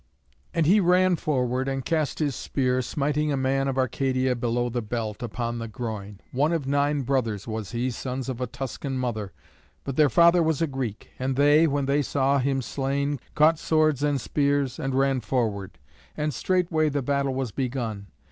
And he ran forward and cast his spear, smiting a man of Arcadia below the belt, upon the groin. One of nine brothers was he, sons of a Tuscan mother, but their father was a Greek; and they, when they saw him slain, caught swords and spears, and ran forward. And straightway the battle was begun.